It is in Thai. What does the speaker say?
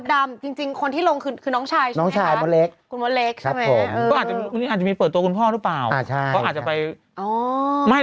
ด้านนึงออกมาที่เดียวกันนะครับ